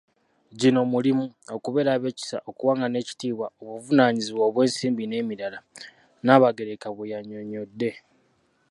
"Gino mulimu: okubeera ab’ekisa, okuwangana ekitibwa, obuvunaanyizibwa obw’ensimbi n’emirala,” Nnaabagereka bwe yannyonnyodde.